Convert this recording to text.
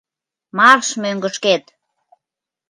Марш мӧҥгышкет!